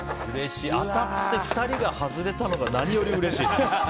当たって２人で外れたのが何よりうれしい。